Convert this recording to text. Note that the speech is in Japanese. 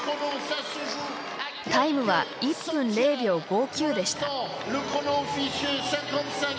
タイムは、１分０秒５９でした。